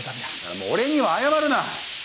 もう俺には謝るな！